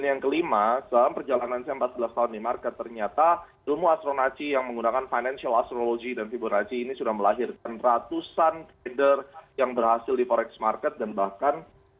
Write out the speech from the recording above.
dan yang kelima dalam perjalanannya empat belas tahun di market ternyata ilmu astronaci yang menggunakan financial astrology dan fibonacci ini sudah melahirkan ratusan trader yang berhasil di forex market dan bahkan